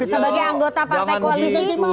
sebagai anggota partai koalisi